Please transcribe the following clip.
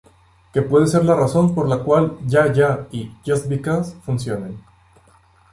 Que puede ser la razón por la cual "Ya Ya" y "Just Because" funcionen.